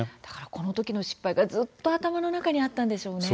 このときの失敗がずっと頭の中にあったんでしょうね。